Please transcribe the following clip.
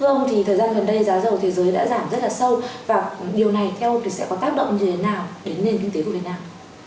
thưa ông thì thời gian gần đây giá dầu thế giới đã giảm rất là sâu và điều này theo ông thì sẽ có tác động như thế nào đến nền kinh tế của việt nam